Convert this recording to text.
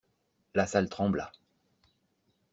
La salle trembla.